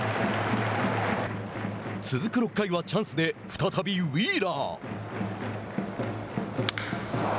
続く６回はチャンスで再びウィーラー。